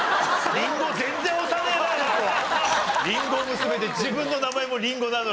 りんご娘で自分の名前もリンゴなのに。